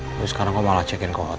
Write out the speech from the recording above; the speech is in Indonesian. terus sekarang kau malah cekin ke hotel